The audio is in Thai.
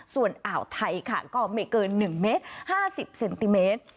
ส่วนอ่าวไทยค่ะก็ไม่เกิน๑เมตร๕๐เซนติเมตร